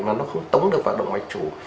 mà nó không tống được vào động vệ chủ